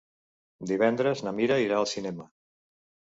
Divendres na Mira irà al cinema.